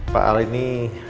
pak al ini